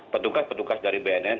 petugas petugas dari bnn